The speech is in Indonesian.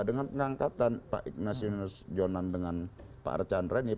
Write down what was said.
dengan pengangkatan pak ignasius jonan dengan pak archan rennie